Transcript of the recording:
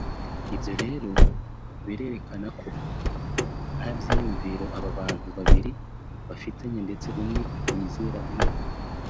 ibyo rero bikerekana ko nta byiyumviro aba bantu babiri bafitanye ndetse umwe ntiyizera undi